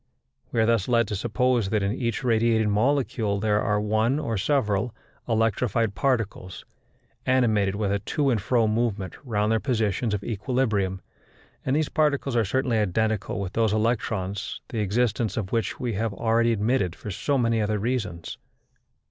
We are thus led to suppose that in each radiating molecule there are one or several electrified particles, animated with a to and fro movement round their positions of equilibrium, and these particles are certainly identical with those electrons the existence of which we have already admitted for so many other reasons.